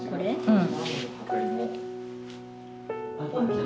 うん。